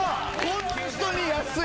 ホントに安いです。